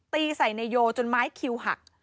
ตีใส่นายโยจนไม้คิวหัก